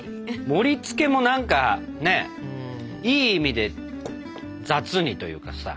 盛りつけもなんかねいい意味で雑にというかさ。